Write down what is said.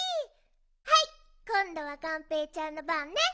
はいこんどはがんぺーちゃんのばんね！